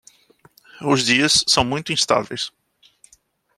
Os dias são muito instáveis